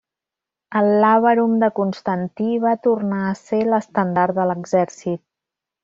El làbarum de Constantí va tornar a ser l'estendard de l'exèrcit.